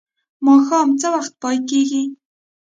ماښام څه وخت پای کیږي؟